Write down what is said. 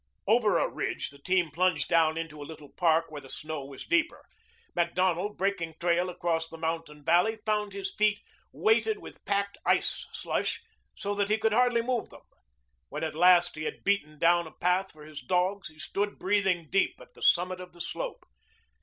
Over a ridge the team plunged down into a little park where the snow was deeper. Macdonald, breaking trail across the mountain valley, found his feet weighted with packed ice slush so that he could hardly move them. When at last he had beaten down a path for his dogs he stood breathing deep at the summit of the slope.